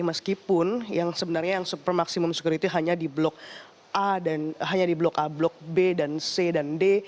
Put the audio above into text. meskipun yang sebenarnya yang super maksimum security hanya di blok a blok b dan c dan d